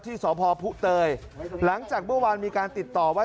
ที่สพพุเตยหลังจากเมื่อวานมีการติดต่อว่า